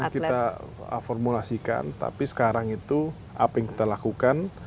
ya itu dia sekarang kita formulasikan tapi sekarang itu apa yang kita lakukan